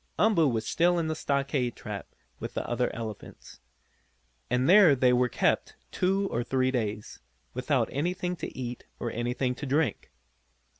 Umboo was still in the stockade trap with the other elephants. And there they were kept two or three days, without anything to eat or anything to drink.